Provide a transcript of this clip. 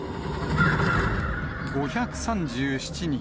５３７人。